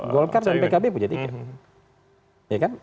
golkar dan pkb punya tiket